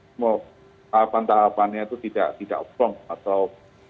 tahapan tahapannya itu tidak tidak up down atau